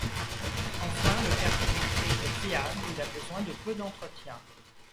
Enfin, le kart électrique est fiable, il a besoin de peu d’entretien.